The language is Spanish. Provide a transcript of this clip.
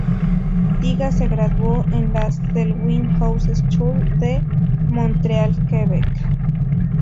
Tiga se graduó en la Selwyn House School de Montreal, Quebec.